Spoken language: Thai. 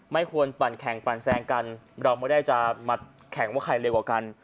ไม่ควรปั่นแข่งปั่นแซงกันเราไม่ได้จะมาแข่งว่าใครเร็วกว่ากัน